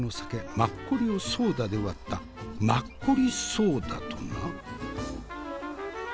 マッコリをソーダで割ったマッコリソーダとな。